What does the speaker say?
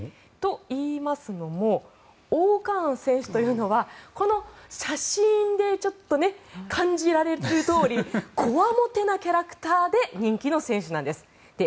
といいますのも−Ｏ−カーン選手というのはこの写真で感じられるとおりこわもてなキャラクターで人気の選手なんです。